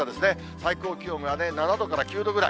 最高気温が７度から９度ぐらい。